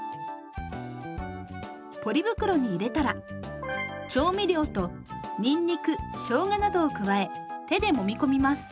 ポリ袋に入れたら調味料とにんにくしょうがなどを加え手でもみ込みます。